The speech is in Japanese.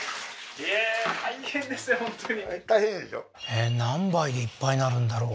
えーお風呂何杯でいっぱいになるんだろう？